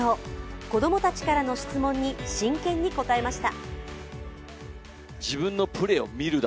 子供たちからの質問に真剣に答えました。